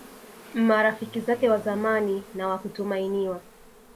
marafiki zake wa zamani na wa kutumainiwa